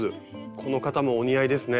この方もお似合いですね。